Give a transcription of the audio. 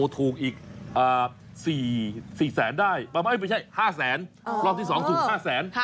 อ๋อถูกอีกสี่แสนได้ไม่ใช่ห้าแสนรอบที่สองถูกห้าแสน